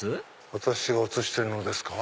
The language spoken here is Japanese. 私が写してるのですか？